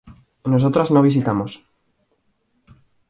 Nosotras no visitamos